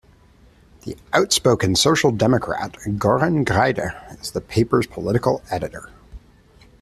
The outspoken Social Democrat Göran Greider is the paper's political editor.